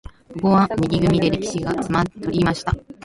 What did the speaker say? ここは右組でレシキが取りました。